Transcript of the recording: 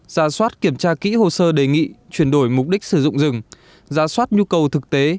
ra soát kiểm tra kỹ hồ sơ đề nghị chuyển đổi mục đích sử dụng rừng giả soát nhu cầu thực tế